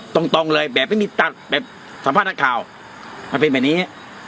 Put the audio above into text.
ตรงตรงเลยแบบไม่มีตักแบบสัมภาษณ์ข่าวมันเป็นแบบนี้